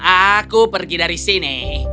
aku pergi dari sini